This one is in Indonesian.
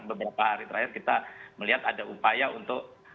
beberapa hari terakhir kita melihat ada upaya untuk